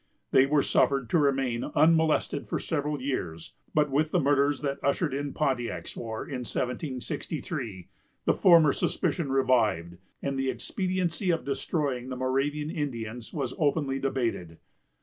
They were suffered to remain unmolested for several years; but with the murders that ushered in Pontiac's war, in 1763, the former suspicion revived, and the expediency of destroying the Moravian Indians was openly debated.